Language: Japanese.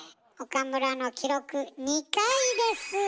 岡村の記録２回です。